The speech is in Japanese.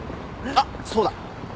あっそうだ